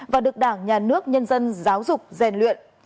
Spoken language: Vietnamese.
và được đảng nhà nước nhân dân giáo dục rèn luyện